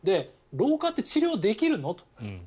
老化って治療できるの？と。